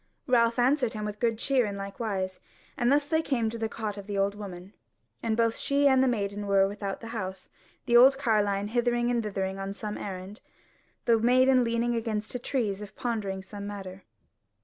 Ralph answered him with good cheer in likewise; and thus they came to the cot of the old woman, and both she and the maiden were without the house, the old carline hithering and thithering on some errand, the maiden leaning against a tree as if pondering some matter.